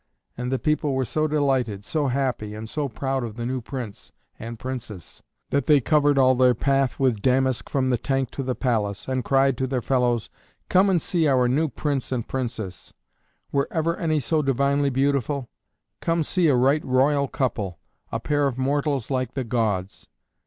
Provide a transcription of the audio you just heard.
And the people were so delighted, so happy and so proud of the new Prince and Princess, that they covered all their path with damask from the tank to the palace, and cried to their fellows, "Come and see our new Prince and Princess! Were ever any so divinely beautiful? Come see a right royal couple, a pair of mortals like the gods!"